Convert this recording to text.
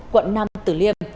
quận năm tử liêm